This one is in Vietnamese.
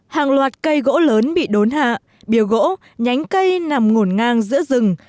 hàng loạt cây gỗ lớn bị đốn hạ bìa gỗ nhánh cây nằm ngổn ngang giữa rừng